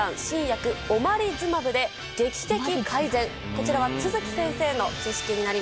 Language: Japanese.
こちらは続木先生の知識になります。